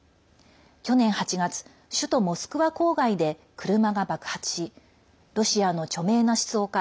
去年８月首都モスクワ郊外で車が爆発しロシアの著名な思想家